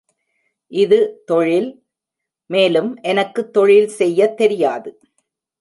இது தொழில், மேலும் எனக்கு தொழில் செய்யத் தெரியாது.